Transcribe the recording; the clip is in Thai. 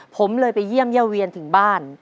ผมเลยไปเยี่ยมย่าเวียนถึงบ้าน